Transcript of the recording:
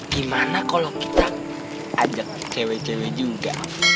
gimana kalau kita ajak cewek cewek juga